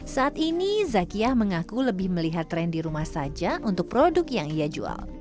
saat ini zakia mengaku lebih melihat tren di rumah saja untuk produk yang ia jual